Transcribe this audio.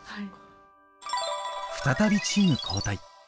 再びチーム交代。